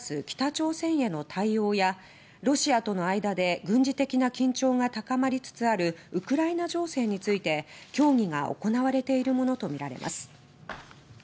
北朝鮮への対応やロシアとの間で軍事的な緊張が高まりつつあるウクライナ情勢について協議が行われているものとみられます。